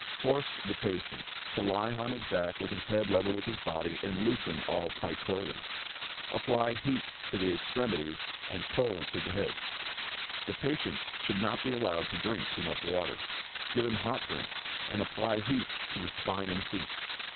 Force the patient to lie on his back with his head level with his body, and loosen all tight clothing. Apply heat to the extremities, and cold to head. The patient should not be allowed to drink too much water. Give him hot drinks, and apply heat to the spine and feet.